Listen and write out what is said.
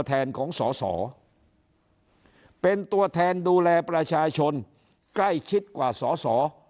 แทนของสอสอเป็นตัวแทนดูแลประชาชนใกล้ชิดกว่าสอสอ